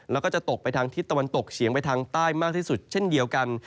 แล้วก็จะตกไปทางทิศตะวันตกเฉียงไปทางใต้มากที่สุดเช่นเดียวกัน